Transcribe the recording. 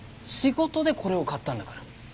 仕事でこれを買ったんだから。